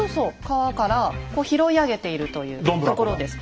川からこう拾い上げているというところです。